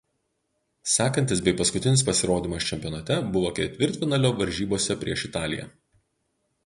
Sekantis bei paskutinis pasirodymas čempionate buvo ketvirtfinalio varžybose prieš Italiją.